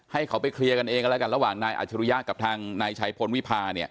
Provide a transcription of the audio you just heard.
ให้เค้าไปเคลียร์กันเองแล้วละกันระหว่างนายอาจารยะกับนายชายพนวิพา